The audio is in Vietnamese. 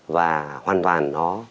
và hoàn toàn nó